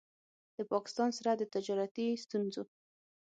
د پاکستان سره د تجارتي ستونځو